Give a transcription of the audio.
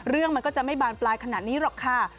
เรื่องมันก็จะไม่บานปลายขนาดนี้หรอกค่ะ